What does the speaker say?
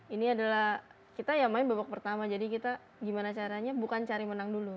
ini adalah kita yang main babak pertama jadi kita gimana caranya bukan cari menang dulu